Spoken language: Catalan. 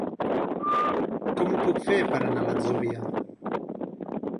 Com ho puc fer per anar a l'Atzúbia?